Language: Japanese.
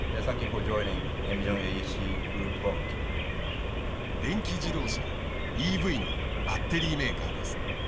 電気自動車ＥＶのバッテリーメーカーです。